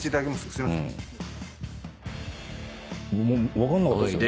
分かんなかったですよね。